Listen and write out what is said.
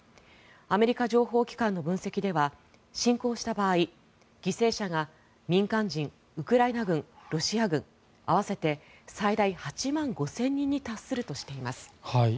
アメリカ情報機関の分析では侵攻した場合犠牲者が民間人、ウクライナ軍ロシア軍合わせて最大８万５０００人に達するとしています。